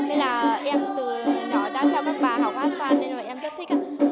em từ nhỏ đã theo bác bà học hát xoan nên em rất thích